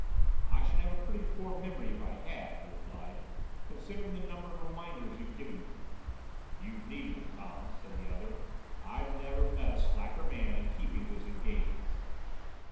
"I should have a pretty poor memory if I had," he replied, "considering the number of reminders you've given me." "You've needed them, Tom," said the other. "I've never met a slacker man in keeping to his engagements."